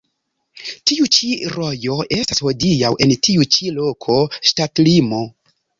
Tiu ĉi rojo estas hodiaŭ en tiu ĉi loko ŝtatlimo.